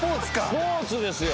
スポーツですよ。